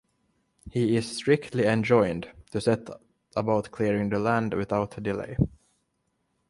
He is strictly enjoined to set about clearing the land without delay.